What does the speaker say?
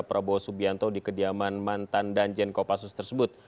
prabowo subianto di kediaman mantan dan janko pasus tersebut